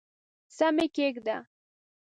سم یې کښېږده !